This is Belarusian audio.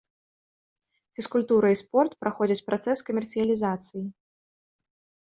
Фізкультура і спорт праходзяць працэс камерцыялізацыі.